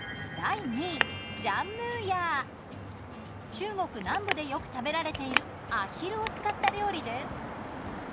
中国南部でよく食べられているアヒルを使った料理です。